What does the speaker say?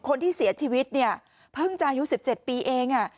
คนที่เสียชีวิตเพิ่งจายู๑๗ปีเอง